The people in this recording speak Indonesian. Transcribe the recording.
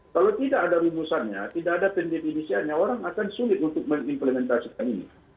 kalau tidak ada rumusannya tidak ada pendefinisiannya orang akan sulit untuk mengimplementasikan ini